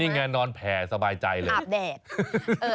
นี่ไงนอนแผ่สบายใจเลยอาบแดด